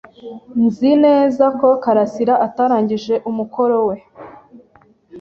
Nzi neza ko kalisa atarangije umukoro we.